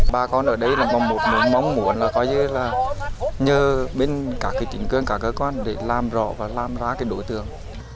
bà con ở đây là một mong muốn là có như là nhờ bên các tỉnh cường các cơ quan để làm rõ và làm ra cái đối tượng